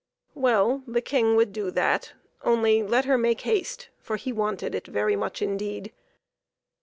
Well, the King would do that, only let her make haste, for he wanted it very much indeed.